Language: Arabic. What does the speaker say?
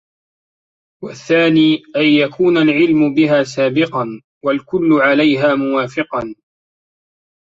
وَالثَّانِي أَنْ يَكُونَ الْعِلْمُ بِهَا سَابِقًا وَالْكُلُّ عَلَيْهَا مُوَافِقًا